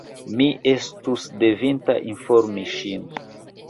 Mi estus devinta informi ŝin.